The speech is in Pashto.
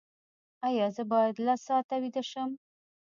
ایا زه باید لس ساعته ویده شم؟